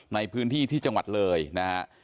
ในพื้นที่ที่จังหวัดเลยนะฮะ